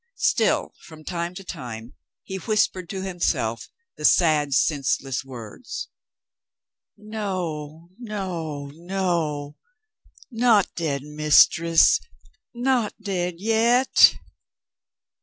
Still, from time to time, he whispered to himself the sad senseless words, "No, no, no not dead, Mistress! Not dead yet!"